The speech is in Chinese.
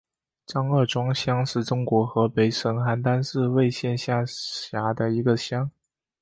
张二庄乡是中国河北省邯郸市魏县下辖的一个乡。